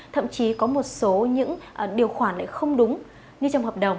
thậm chí có một số những điều khoản lại không đúng như trong hợp đồng